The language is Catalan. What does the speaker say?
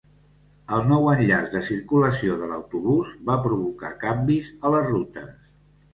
El nou enllaç de circulació de l'autobús va provocar canvis a les rutes.